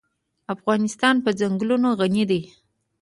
افغانستان په ځنګلونه غني دی.